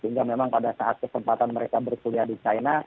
sehingga memang pada saat kesempatan mereka berkuliah di china